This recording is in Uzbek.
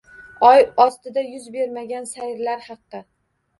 Oy ostida yuz bermagan sayrlar haqi